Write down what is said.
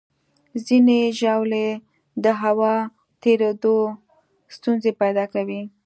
ځینې ژاولې د هوا تېرېدو ستونزې پیدا کوي.